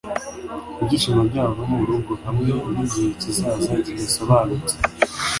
ibyishimo byabo murugo, hamwe nigihe kizaza kidasobanutse;